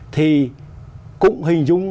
thì cũng hình dung